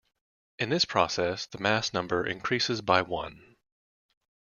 In this process, the mass number increases by one.